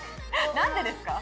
何でですか？